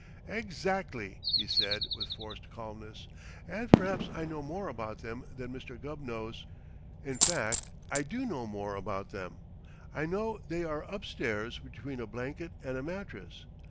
"Exactly!" he said with forced calmness. "And perhaps I know more about them than Mr. Gubb knows. In fact, I do know more about them. I know they are upstairs between a blanket and a mattress.